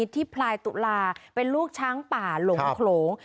พลายตุลาเป็นลูกช้างป่าหลงโขลง